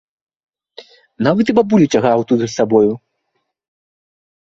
Нават і бабулю цягаў туды з сабою.